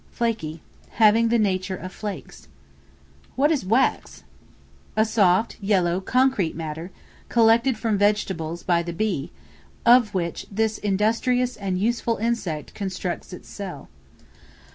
Flaky, having the nature of flakes. What is Wax? A soft, yellow, concrete matter, collected from vegetables by the bee, of which this industrious and useful insect constructs its cell.